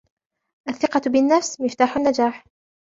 الثقة بالنفس مفتاح النجاح.